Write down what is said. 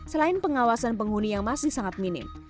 selain pengawasan penghuni yang masih sangat minim